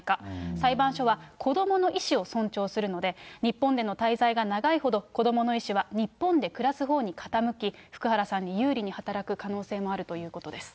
裁判所は、子どもの意思を尊重するので、日本での滞在が長いほど、子どもの意思は日本で暮らすほうに傾き、福原さんに有利に働く可能性もあるということです。